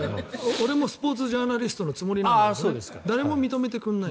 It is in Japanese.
俺もスポーツジャーナリストのつもりなんだけどね誰も認めてくれない。